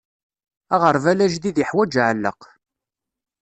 Aɣerbal ajdid iḥwaǧ aɛelleq.